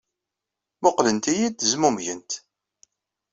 Mmuqqlent-iyi-d, zmumgent.